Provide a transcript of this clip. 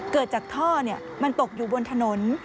เกิดจากท่อมันตกอยู่บนถนน